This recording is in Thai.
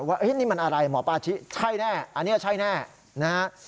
ว่านี่มันอะไรหมอปลาชิใช่แน่อันนี้ใช่แน่นะฮะ